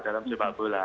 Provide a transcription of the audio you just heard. dalam sepak bola